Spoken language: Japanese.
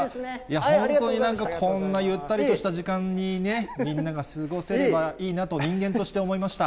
本当になんかこんなゆったりとした時間にね、みんなが過ごせればいいなと、人間として思いました。